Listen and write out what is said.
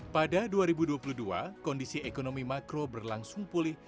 pada dua ribu dua puluh dua kondisi ekonomi makro berlangsung pulih